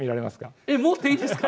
えっ持っていいんですか？